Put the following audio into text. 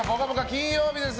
金曜日です。